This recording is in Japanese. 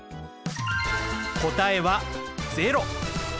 答えは０。